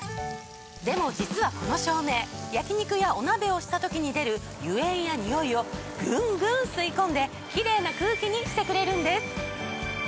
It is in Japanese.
でも実はこの照明焼き肉やお鍋をした時に出る油煙やにおいをグングン吸い込んでキレイな空気にしてくれるんです。